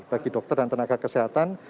bagi dokter dan tenaga kesehatan